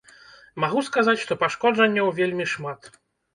Магу сказаць, што пашкоджанняў вельмі шмат.